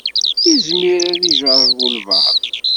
Izmer ad d-ijreḥ walebɛaḍ.